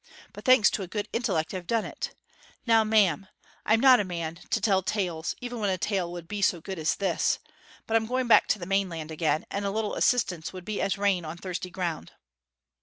'But thanks to a good intellect I've done it. Now, ma'am, I'm not a man to tell tales, even when a tale would be so good as this. But I'm going back to the mainland again, and a little assistance would be as rain on thirsty ground.'